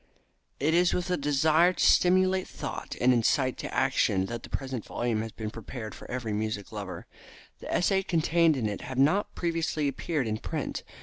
It is with a desire to stimulate thought and incite to action that the present volume has been prepared for every music lover. The essays contained in it have not previously appeared in print.